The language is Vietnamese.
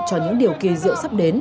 cho những điều kỳ diệu sắp đến